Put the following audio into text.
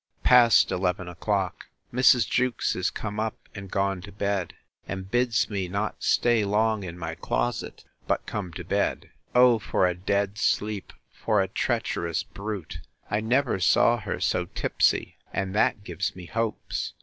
Past eleven o'clock. Mrs. Jewkes is come up, and gone to bed; and bids me not stay long in my closet, but come to bed. O for a dead sleep for the treacherous brute! I never saw her so tipsy, and that gives me hopes.